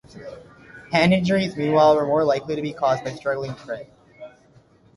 Hand injuries, meanwhile, were more likely to be caused by struggling prey.